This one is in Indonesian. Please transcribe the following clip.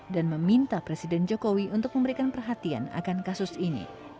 dan meminta presiden jokowi untuk memberikan perhatian akan kasus ini